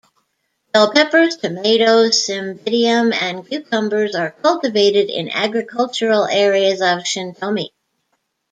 Bell peppers, tomatoes, cymbidium, and cucumbers are cultivated in agricultural areas of Shintomi.